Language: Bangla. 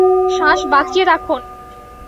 শ্বাস বাঁচিয়ে রাখুন।